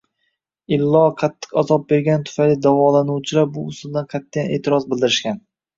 Illo, qattiq azob bergani tufayli davolanuvchilar bu usulga qat’iyan e’tiroz bildirishgan